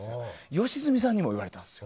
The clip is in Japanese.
良純さんにも言われたんですよ。